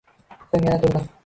Soʻng yana turdi